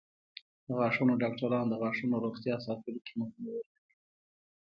د غاښونو ډاکټران د غاښونو روغتیا ساتلو کې مهم رول لري.